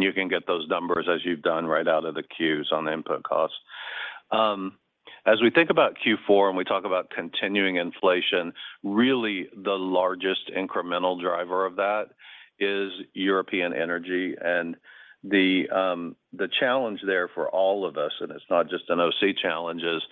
You can get those numbers as you've done right out of the 10-Qs on the input costs. As we think about Q4, and we talk about continuing inflation, really the largest incremental driver of that is European energy. The challenge there for all of us, and it's not just an OC challenge, is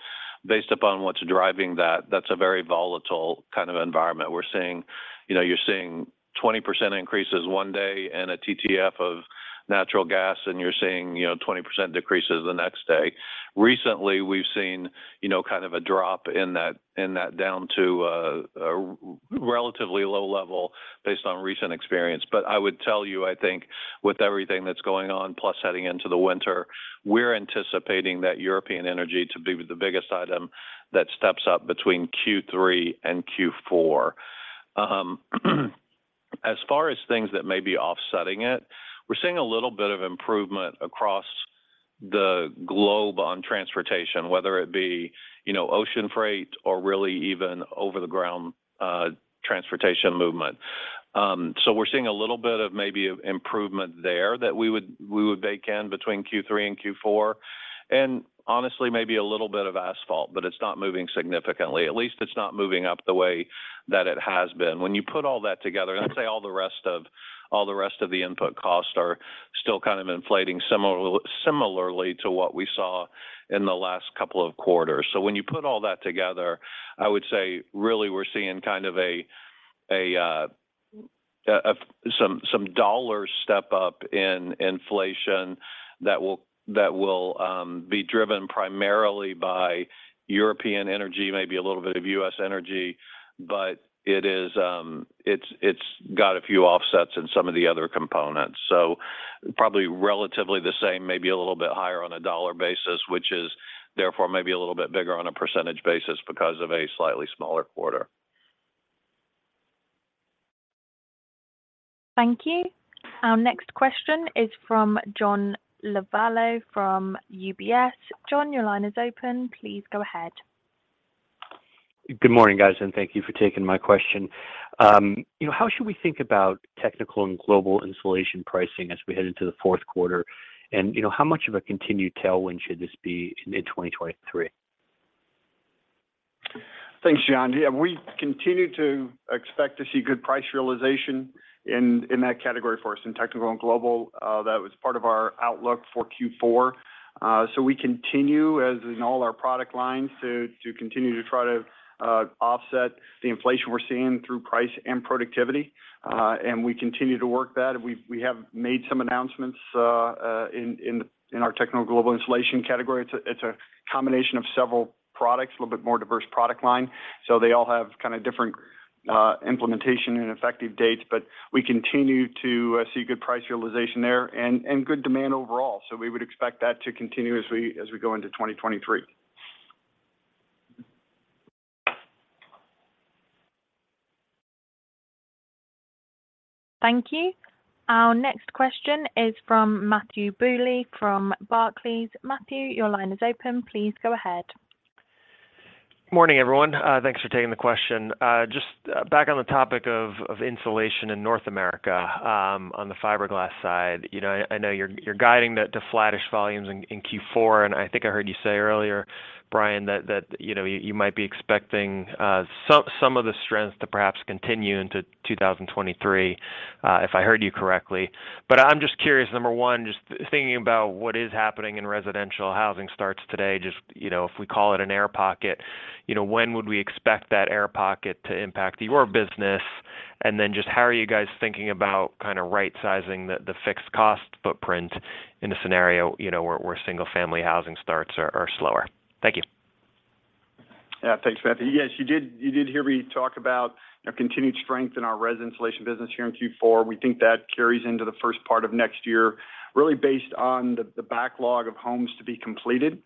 based upon what's driving that's a very volatile kind of environment. We're seeing, you know, you're seeing 20% increases one day in a TTF of natural gas, and you're seeing, you know, 20% decreases the next day. Recently, we've seen, you know, kind of a drop in that down to a relatively low level based on recent experience. I would tell you, I think with everything that's going on, plus heading into the winter, we're anticipating that European energy to be the biggest item that steps up between Q3 and Q4. As far as things that may be offsetting it, we're seeing a little bit of improvement across the globe on transportation, whether it be, you know, ocean freight or really even over the ground transportation movement. We're seeing a little bit of maybe improvement there that we would bake in between Q3 and Q4. Honestly, maybe a little bit of asphalt, but it's not moving significantly. At least it's not moving up the way that it has been. When you put all that together, I'd say all the rest of the input costs are still kind of inflating similarly to what we saw in the last couple of quarters. When you put all that together, I would say really we're seeing kind of some dollar step up in inflation that will be driven primarily by European energy, maybe a little bit of U.S. energy. But it is, it's got a few offsets in some of the other components. Probably relatively the same, maybe a little bit higher on a dollar basis, which is therefore maybe a little bit bigger on a percentage basis because of a slightly smaller quarter. Thank you. Our next question is from John Lovallo from UBS. John, your line is open. Please go ahead. Good morning, guys, and thank you for taking my question. You know, how should we think about technical and global insulation pricing as we head into the fourth quarter? You know, how much of a continued tailwind should this be in mid-2023? Thanks, John. Yeah, we continue to expect to see good price realization in that category for us in technical and global. That was part of our outlook for Q4. We continue, as in all our product lines, to continue to try to offset the inflation we're seeing through price and productivity. We continue to work that. We have made some announcements in our technical global insulation category. It's a combination of several products, a little bit more diverse product line. They all have kind of different implementation and effective dates. We continue to see good price realization there and good demand overall. We would expect that to continue as we go into 2023. Thank you. Our next question is from Matthew Bouley from Barclays. Matthew, your line is open. Please go ahead. Morning, everyone. Thanks for taking the question. Just back on the topic of insulation in North America, on the fiberglass side. You know, I know you're guiding to flattish volumes in Q4. I think I heard you say earlier, Brian, that you know, you might be expecting some of the strength to perhaps continue into 2023, if I heard you correctly. I'm just curious, number one, just thinking about what is happening in residential housing starts today. You know, if we call it an air pocket, you know, when would we expect that air pocket to impact your business? Then just how are you guys thinking about kind of right-sizing the fixed cost footprint in a scenario, you know, where single-family housing starts are slower? Thank you. Yeah. Thanks, Matthew. Yes, you did hear me talk about continued strength in our res insulation business here in Q4. We think that carries into the first part of next year, really based on the backlog of homes to be completed.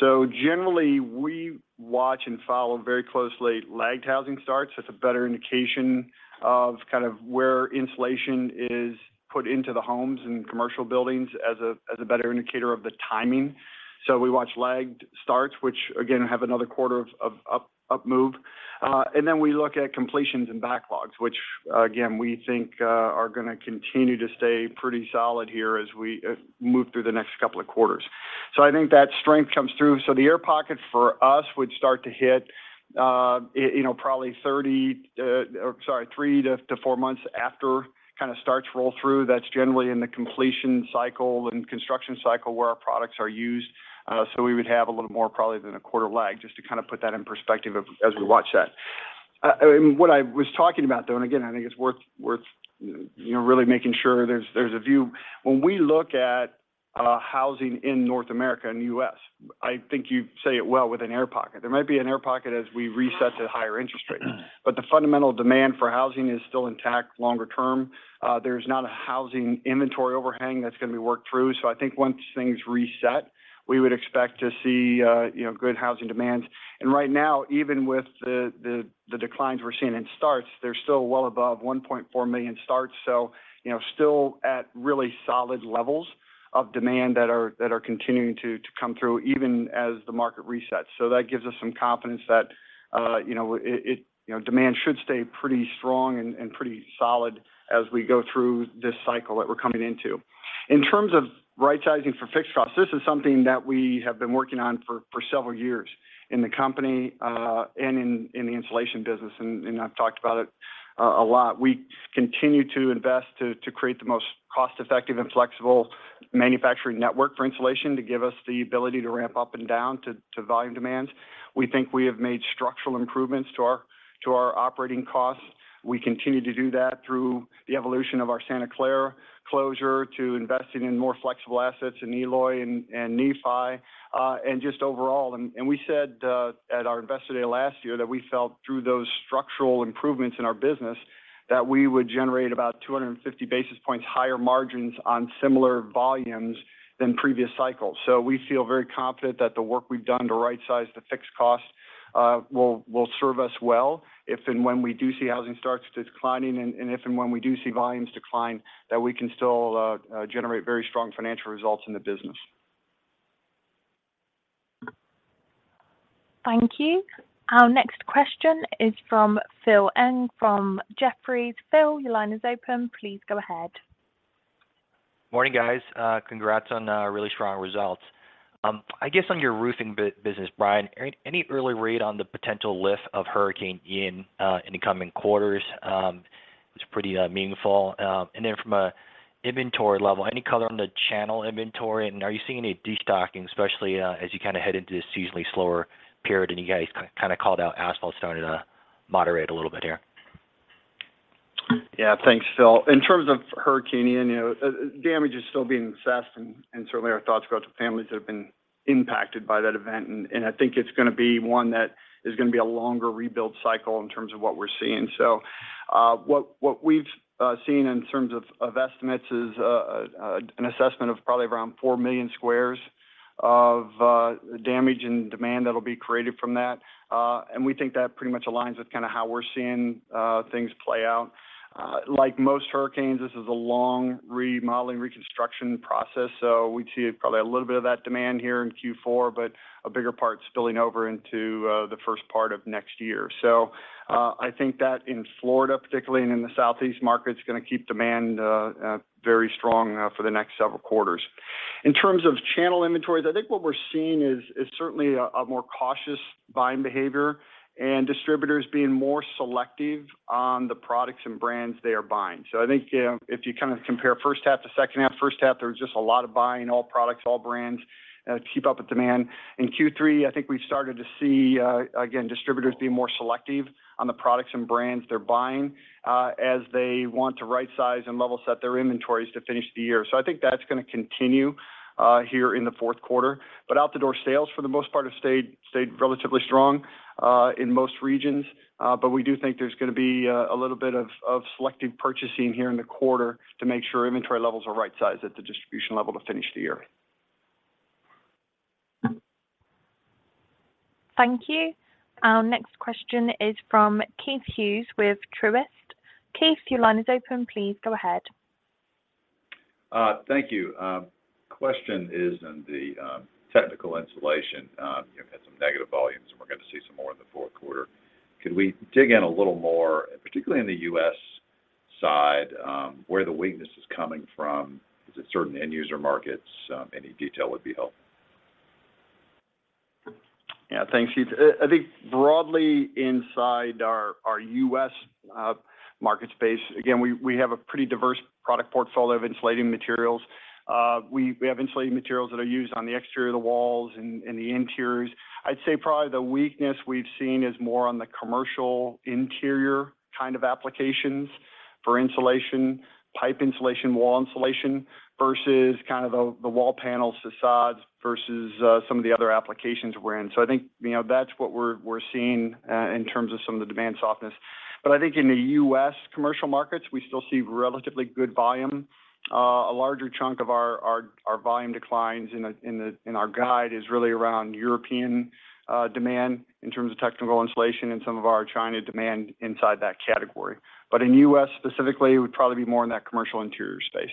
Generally, we watch and follow very closely lagged housing starts. That's a better indication of kind of where insulation is put into the homes and commercial buildings as a better indicator of the timing. We watch lagged starts, which again have another quarter of up move. And then we look at completions and backlogs, which again we think are gonna continue to stay pretty solid here as we move through the next couple of quarters. I think that strength comes through. The air pocket for us would start to hit, you know, probably three to four months after kinda starts roll through. That's generally in the completion cycle and construction cycle where our products are used. We would have a little more probably than a quarter lag, just to kinda put that in perspective as we watch that. What I was talking about, though, and again, I think it's worth you know, really making sure there's a view. When we look at housing in North America and U.S., I think you say it well with an air pocket. There might be an air pocket as we reset to higher interest rates, but the fundamental demand for housing is still intact longer term. There's not a housing inventory overhang that's gonna be worked through. I think once things reset, we would expect to see, you know, good housing demand. Right now, even with the declines we're seeing in starts, they're still well above 1.4 million starts. You know, still at really solid levels of demand that are continuing to come through even as the market resets. That gives us some confidence that, you know, it, you know, demand should stay pretty strong and pretty solid as we go through this cycle that we're coming into. In terms of right-sizing for fixed costs, this is something that we have been working on for several years in the company, and in the insulation business, and I've talked about it a lot. We continue to invest to create the most cost-effective and flexible manufacturing network for insulation to give us the ability to ramp up and down to volume demands. We think we have made structural improvements to our operating costs. We continue to do that through the evolution of our Santa Clara closure to investing in more flexible assets in Eloy and Nephi and just overall. We said at our Investor Day last year that we felt through those structural improvements in our business, that we would generate about 250 basis points higher margins on similar volumes than previous cycles. We feel very confident that the work we've done to right-size the fixed cost will serve us well if and when we do see housing starts declining, and if and when we do see volumes decline, that we can still generate very strong financial results in the business. Thank you. Our next question is from Phil Ng from Jefferies. Phil, your line is open. Please go ahead. Morning, guys. Congrats on really strong results. I guess on your roofing business, Brian, any early read on the potential lift of Hurricane Ian in the coming quarters? It's pretty meaningful. From an inventory level, any color on the channel inventory, and are you seeing any destocking, especially as you kinda head into this seasonally slower period, and you guys kinda called out asphalt started to moderate a little bit here. Yeah. Thanks, Phil. In terms of Hurricane Ian, you know, damage is still being assessed and certainly our thoughts go out to families that have been impacted by that event. I think it's gonna be one that is gonna be a longer rebuild cycle in terms of what we're seeing. What we've seen in terms of estimates is an assessment of probably around 4 million squares of damage and demand that'll be created from that. We think that pretty much aligns with kinda how we're seeing things play out. Like most hurricanes, this is a long remodeling, reconstruction process, so we see probably a little bit of that demand here in Q4, but a bigger part spilling over into the first part of next year. I think that in Florida particularly and in the Southeast market, it's gonna keep demand very strong for the next several quarters. In terms of channel inventories, I think what we're seeing is certainly a more cautious buying behavior and distributors being more selective on the products and brands they are buying. I think, you know, if you kinda compare first half to second half, first half there was just a lot of buying all products, all brands, to keep up with demand. In Q3, I think we've started to see, again, distributors being more selective on the products and brands they're buying, as they want to right size and level set their inventories to finish the year. I think that's gonna continue here in the fourth quarter. Out the door sales for the most part have stayed relatively strong in most regions. We do think there's gonna be a little bit of selective purchasing here in the quarter to make sure inventory levels are right sized at the distribution level to finish the year. Thank you. Our next question is from Keith Hughes with Truist. Keith, your line is open. Please go ahead. Thank you. Question is in the technical insulation. You've had some negative volumes and we're gonna see some more in the fourth quarter. Could we dig in a little more, particularly in the U.S. side, where the weakness is coming from? Is it certain end user markets? Any detail would be helpful. Yeah. Thanks, Keith. I think broadly inside our U.S. market space, again, we have a pretty diverse product portfolio of insulating materials. We have insulating materials that are used on the exterior of the walls and the interiors. I'd say probably the weakness we've seen is more on the commercial interior kind of applications for insulation, pipe insulation, wall insulation, versus kind of the wall panel facades versus some of the other applications we're in. So I think, you know, that's what we're seeing in terms of some of the demand softness. But I think in the U.S. commercial markets, we still see relatively good volume. A larger chunk of our volume declines in our guide is really around European demand in terms of technical insulation and some of our China demand inside that category. In U.S. specifically, it would probably be more in that commercial interior space.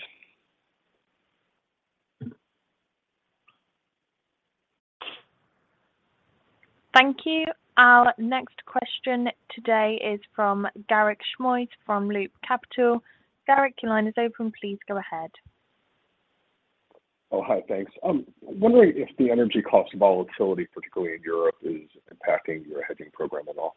Thank you. Our next question today is from Garik Shmois from Loop Capital. Garik, your line is open. Please go ahead. Oh, hi. Thanks. I'm wondering if the energy cost volatility, particularly in Europe, is impacting your hedging program at all?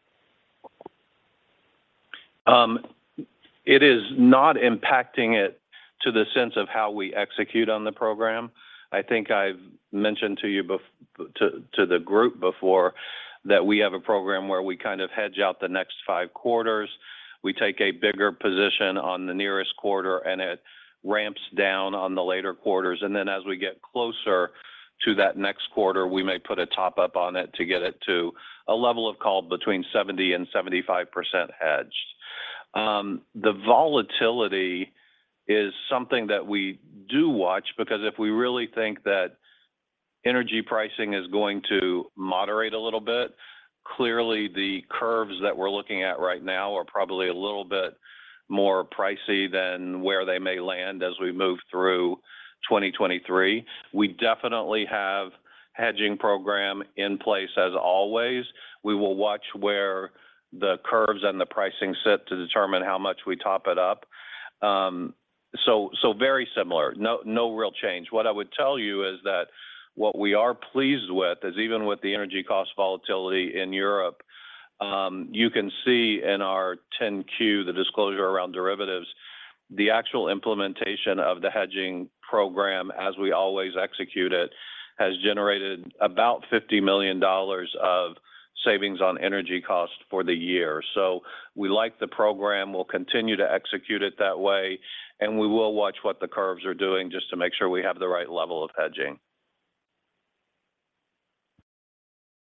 It is not impacting it to the sense of how we execute on the program. I think I've mentioned to you, to the group before that we have a program where we kind of hedge out the next five quarters. We take a bigger position on the nearest quarter, and it ramps down on the later quarters. As we get closer to that next quarter, we may put a top-up on it to get it to a level of, call it, between 70% and 75% hedged. The volatility is something that we do watch because if we really think that energy pricing is going to moderate a little bit, clearly the curves that we're looking at right now are probably a little bit more pricey than where they may land as we move through 2023. We definitely have hedging program in place as always. We will watch where the curves and the pricing sit to determine how much we top it up. So very similar. No real change. What I would tell you is that what we are pleased with is even with the energy cost volatility in Europe, you can see in our 10-Q the disclosure around derivatives. The actual implementation of the hedging program as we always execute it has generated about $50 million of savings on energy cost for the year. We like the program. We'll continue to execute it that way, and we will watch what the curves are doing just to make sure we have the right level of hedging.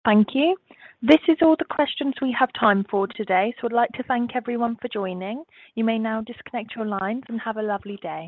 Thank you. This is all the questions we have time for today, so I'd like to thank everyone for joining. You may now disconnect your lines and have a lovely day.